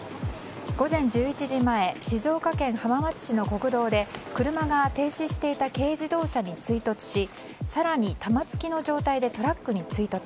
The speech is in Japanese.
午前１１時前静岡県浜松市の国道で車が停止していた軽自動車に追突し更に玉突きの状態でトラックに追突。